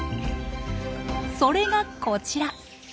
それがこちら。